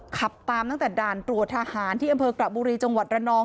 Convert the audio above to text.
ขับตามตั้งแต่ด่านตรวจทหารที่อำเภอกระบุรีจังหวัดระนอง